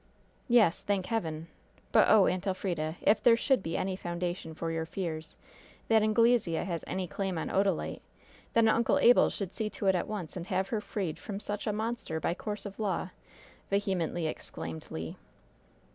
"Yes, thank Heaven! But, oh, Aunt Elfrida, if there should be any foundation for your fears that Anglesea has any claim on Odalite, then Uncle Abel should see to it at once and have her freed from such a monster by course of law," vehemently exclaimed Le.